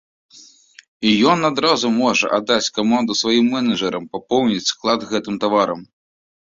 І ён адразу можа аддаць каманду сваім менеджэрам папоўніць склад гэтым таварам.